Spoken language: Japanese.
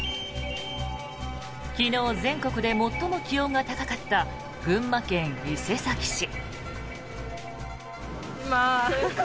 昨日、全国で最も気温が高かった群馬県伊勢崎市。